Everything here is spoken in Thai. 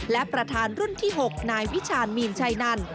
แลผดาสถานที่๖ลายวิษานมีนชัยนั่น